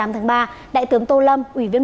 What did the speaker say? hai mươi tám tháng ba đại tướng tô lâm ủy viên